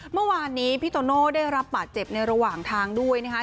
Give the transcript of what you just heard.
เมื่อวานนี้พี่โตโน่ได้รับบาดเจ็บในระหว่างทางด้วยนะคะ